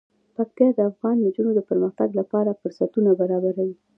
پکتیا د افغان نجونو د پرمختګ لپاره فرصتونه برابروي.